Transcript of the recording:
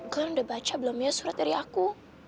kan udah baca belum ya surat dari aku